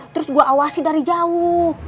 terus gue awasi dari jauh